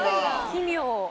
奇妙。